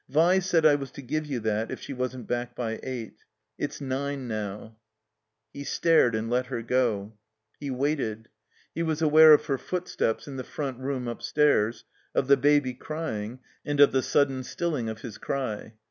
"Vi said I was to give you that if she wasn't back by eight. It's nine now." He stared and let her go. He waited. He was aware of her footsteps in the front room upstairs, of the baby oying, and of the sudden stilling of his cry.